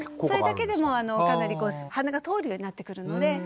それだけでもかなり鼻が通るようになってくるので。